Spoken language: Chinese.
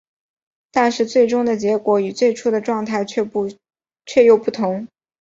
但是最终的结果与最初的状态却又不同。